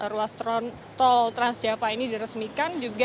ruas tol transjava ini diresmikan